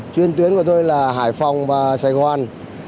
chuyên tuyến của tôi là hải phòng và sài gòn